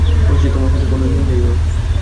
বলেছি, তোমার সাথে কোনোই মিল নেই ওর।